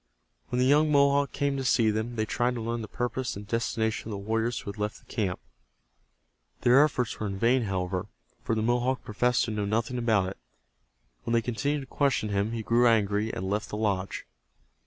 When the young Mohawk came to see them they tried to learn the purpose and destination of the warriors who had left the camp. Their efforts were in vain, however, for the Mohawk professed to know nothing about it. When they continued to question him he grew angry, and left the lodge.